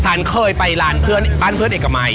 ฉันเคยไปร้านเพื่อนบ้านเพื่อนเอกมัย